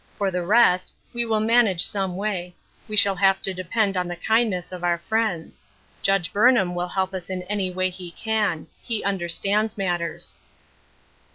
For the rest, we will manage some way ; we shall have to de pend on the kindness of our friends. Judge Burnham vsdll help us in any way he can. He understands matters."